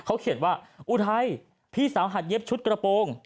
เขาเขียนว่าอุทัยพี่สาวหัดเย็บชุดกระโปรง